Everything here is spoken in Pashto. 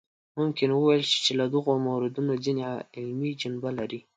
ممکن وویل شي چې له دغو موردونو ځینې علمي جنبه لري.